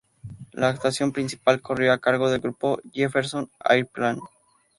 La actuación principal corrió a cargo del grupo Jefferson Airplane.